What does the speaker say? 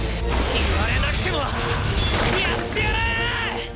言われなくてもやってやらあ！